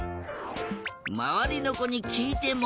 まわりのこにきいても。